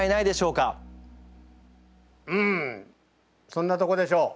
うんそんなとこでしょう。